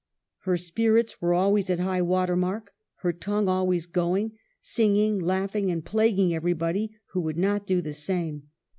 Her spirits were always at high water mark, her tongue always going — singing, laughing, and plaguing everybody who would not do the same.